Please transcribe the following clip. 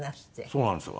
そうなんですよ。